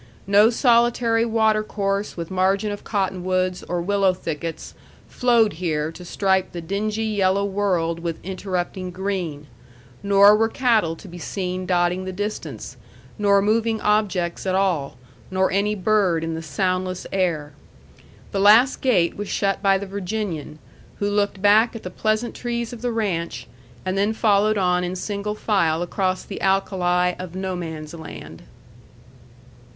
No solitary watercourse with margin of cottonwoods or willow thickets flowed here to stripe the dingy, yellow world with interrupting green, nor were cattle to be seen dotting the distance, nor moving objects at all, nor any bird in the soundless air. The last gate was shut by the Virginian, who looked back at the pleasant trees of the ranch, and then followed on in single file across the alkali of No Man's Land.